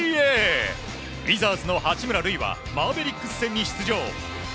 ウィザーズの八村塁はマーベリックス戦に出場。